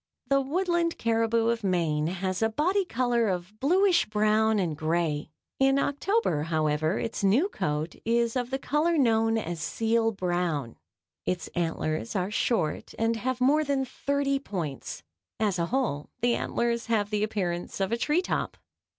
The Woodland caribou of Maine has a body color of bluish brown and gray. In October, however, its new coat is of the color known as seal brown. Its antlers are short and have more than thirty points. As a whole the antlers have the appearance of a tree top.